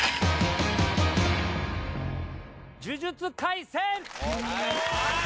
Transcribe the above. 『呪術廻戦』！